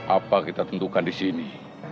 apa kita tentukan di sini